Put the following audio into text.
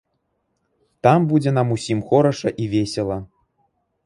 Там будзе нам усім хораша і весела.